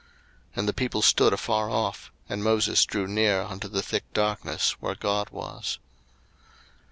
02:020:021 And the people stood afar off, and Moses drew near unto the thick darkness where God was.